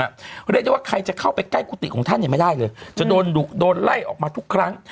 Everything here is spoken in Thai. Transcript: เรียกได้ว่าใครจะเข้าไปใกล้กุฏิของท่านเนี่ยไม่ได้เลยจะโดนดุโดนไล่ออกมาทุกครั้ง